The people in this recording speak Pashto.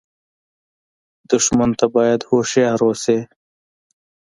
دښمن ته باید هوښیار اوسې